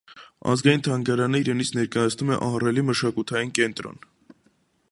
Ազգային թանգարանը իրենից ներկայացնում է ահռելի մշակութային կենտրոն։